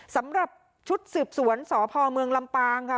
สำหรับชุดสืบสวนสพเมืองลำปางค่ะ